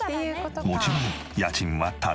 もちろん家賃はタダ。